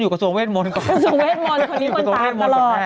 กระทรวงเวทมนตร์คนนี้มันตามก็รอ